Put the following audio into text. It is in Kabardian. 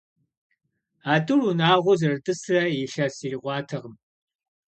А тӀур унагъуэу зэрытӀысрэ илъэс ирикъуатэкъым.